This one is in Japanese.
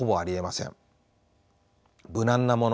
無難なもの